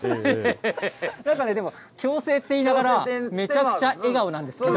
なんかね、でも強制と言いながら、めちゃくちゃ笑顔なんですけど。